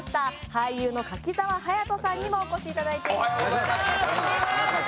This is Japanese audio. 俳優の柿澤勇人さんにもお越しいただいています。